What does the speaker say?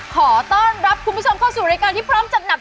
ขอต้อนรับคุณผู้ชมเข้าสู่รายการที่พร้อมจัดหนัก